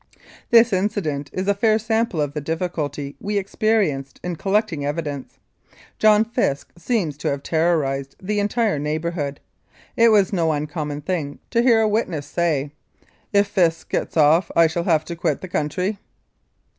This incident is a fair sample of the difficulty we experienced in collecting evidence. John Fisk seemed to have terrorised the entire neighbourhood. It was no uncommon thing to hear a witness say, "If Fisk gets off I shall have to quit the country."